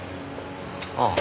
ああ。